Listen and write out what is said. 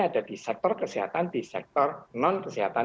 ada di sektor kesehatan di sektor non kesehatan